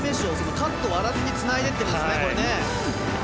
カットを割らずにつないでいってるんですね。